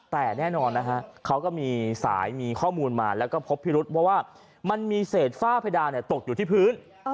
แต่แน่นอนนะฮะเขาก็มีสายมีข้อมูลมาแล้วก็พบพิรุษเพราะว่ามันมีเศษฝ้าเพดานตกอยู่ที่พื้น